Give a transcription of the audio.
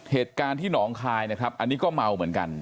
เหตุการณ์ที่หนองคายนะครับอันนี้ก็เมาเหมือนกัน